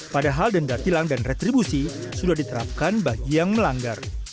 padahal denda tilang dan retribusi sudah diterapkan bagi yang melanggar